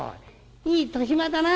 「いい年増だな」。